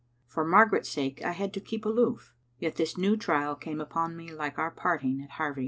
For Margaret's sake I had to keep aloof, yet this new trial came upon me like our parting at Harvie.